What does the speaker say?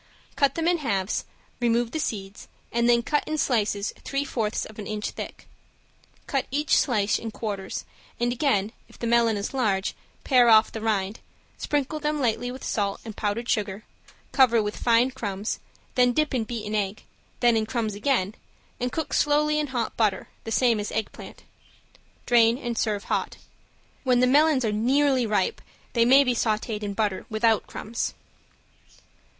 Cut them in halves, remove the seeds and then cut in slices three fourths of an inch thick. Cut each slice in quarters and again, if the melon is large, pare off the rind, sprinkle them slightly with salt and powdered sugar, cover with fine crumbs; then dip in beaten egg, then in crumbs again, and cook slowly in hot butter, the same as eggplant. Drain, and serve hot. When the melons are nearly ripe they may be sauted in butter without crumbs.